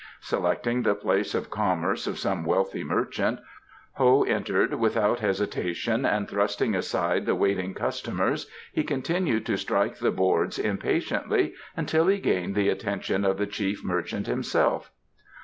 Selecting the place of commerce of some wealthy merchant, Ho entered without hesitation and thrusting aside the waiting customers he continued to strike the boards impatiently until he gained the attention of the chief merchant himself.